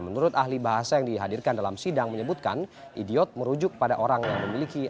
menurut ahli bahasa yang dihadirkan dalam sidang menyebutkan idiot merujuk pada orang yang memiliki